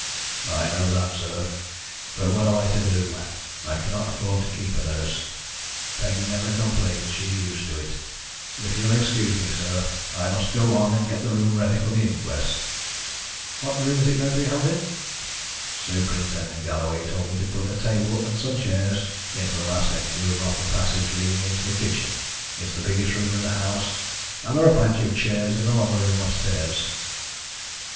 "I know that, sir. But what am I to do? I cannot afford to keep a nurse. Peggy never complains. She's used to it. But if you'll excuse me, sir. I must go and get the room ready for the inquest." "What room is it going to be held in?" "Superintendent Galloway told me to put a table and some chairs into the last empty room off the passage leading into the kitchen. It's the biggest room in the house, and there are plenty of chairs in the lumber room upstairs."